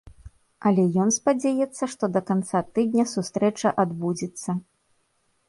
Але ён спадзяецца, што да канца тыдня сустрэча адбудзецца.